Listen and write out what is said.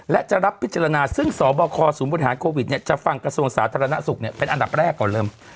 และจะรับพิจารณาซึ่งสบคศูนย์บริหารโควิดจะฟังกระทรวงสาธารณสุขเป็นอันดับแรกก่อนเริ่ม